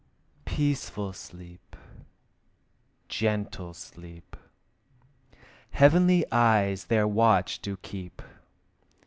Peaceful sleep, gentle sleep! Heavenly eyes their watch do keep.